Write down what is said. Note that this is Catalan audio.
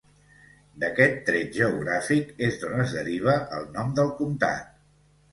D'aquest tret geogràfic és d'on es deriva el nom del comtat.